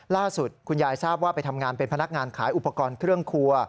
ล่าสุดคุณยายทราบว่าไปทำงานเป็นพนักงานขายอุปกรณ์เครื่องครัว